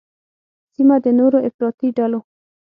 سیمه د نوو افراطي ډلو